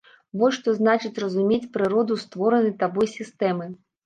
Вось што значыць разумець прыроду створанай табой сістэмы!